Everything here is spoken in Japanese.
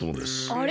あれ？